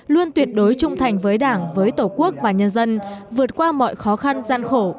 luôn tuyệt đối trung thành với đảng với tổ quốc và nhân dân vượt qua mọi khó khăn gian khổ